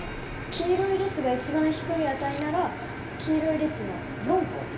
黄色い列が一番低い値なら黄色い列は４個。